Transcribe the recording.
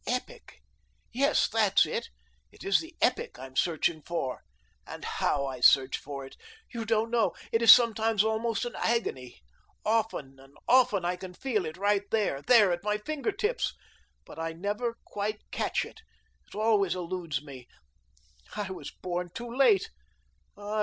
"Epic, yes, that's it. It is the epic I'm searching for. And HOW I search for it. You don't know. It is sometimes almost an agony. Often and often I can feel it right there, there, at my finger tips, but I never quite catch it. It always eludes me. I was born too late.